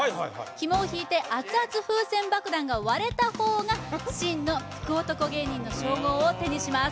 ひもを引いて熱々風船爆弾が割れたほうが真の福男芸人の称号を手にします